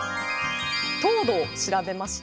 糖度を調べました。